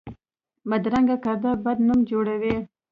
بدرنګه کردار بد نوم جوړوي